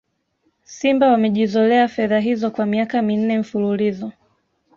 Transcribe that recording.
Simba wamejizolea fedha hizo kwa miaka minne mfululizo